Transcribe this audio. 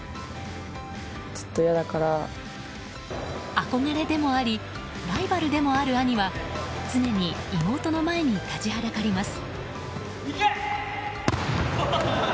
憧れでもありライバルでもある兄は常に妹の前に立ちはだかります。